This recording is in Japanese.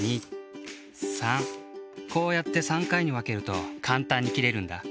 こうやって３回にわけるとかんたんに切れるんだ。